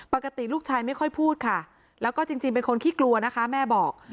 ปกติลูกชายไม่ค่อยพูดค่ะแล้วก็จริงเป็นคนขี้กลัวนะคะแม่บอก